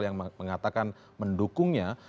yang mengatakan mendukungnya